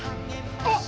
あっ！